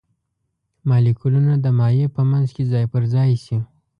مالیکولونه د مایع په منځ کې ځای پر ځای شي.